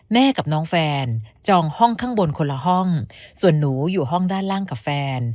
กับน้องแฟนจองห้องข้างบนคนละห้องส่วนหนูอยู่ห้องด้านล่างกับแฟน